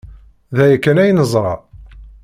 D aya kan ay neẓra.